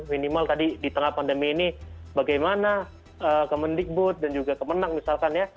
minimal tadi di tengah pandemi ini bagaimana ke mendikbud dan juga ke menang misalkan ya